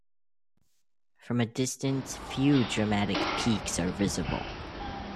From a distance, few dramatic peaks are visible.